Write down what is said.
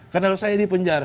karena kalau saya di penjara